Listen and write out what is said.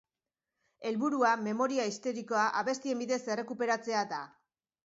Helburua memoria historikoa abestien bidez errekuperatzea da.